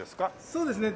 そうですね。